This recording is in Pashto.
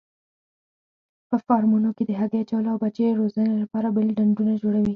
په فارمونو کې د هګۍ اچولو او بچیو روزنې لپاره بېل ډنډونه جوړوي.